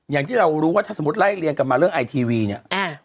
อย่างที่เรารู้ว่าถ้าสมมุติไล่เรียงกันมาเรื่องไอทีวีเนี่ย